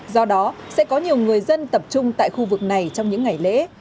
do đó sẽ có nhiều người dân tập trung tại khu vực này trong những ngày lễ